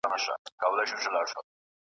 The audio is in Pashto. مهار د اوښ به په خره پسې وي .